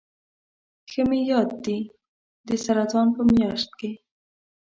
ښه مې یاد دي د سرطان په میاشت کې.